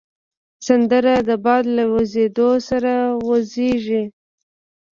سندره د باد له وزېدو سره وږیږي